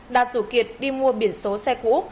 đạt dù kiệt đi mua biển số xe máy